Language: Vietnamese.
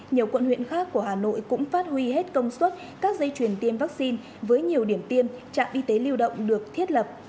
nhiều quận huyện khác của hà nội cũng phát huy hết công suất các dây chuyền tiêm vaccine với nhiều điểm tiêm trạm y tế lưu động được thiết lập